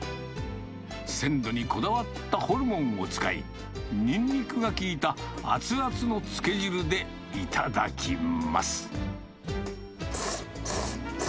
鮮度にこだわったホルモンを使い、にんにくがきいた熱々のつけ汁で頂きます。